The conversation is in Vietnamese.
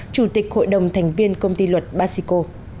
chủ tịch hội đồng thành viên công ty luật basico